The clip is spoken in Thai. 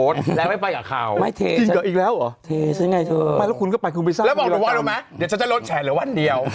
เดี๋ยวชักจะลดแชนเหลือวันเดียว